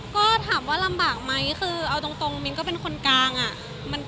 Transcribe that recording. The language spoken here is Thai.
ก็ถามว่าลำบากไหมคือเอาตรงมิ้นก็เป็นคนกลางอ่ะ